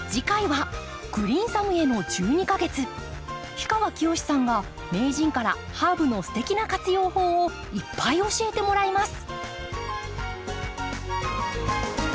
氷川きよしさんが名人からハーブのすてきな活用法をいっぱい教えてもらいます。